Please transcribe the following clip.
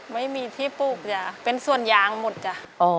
ไม่มีที่ปลูกจ้ะเป็นส่วนยางหมดจ้ะ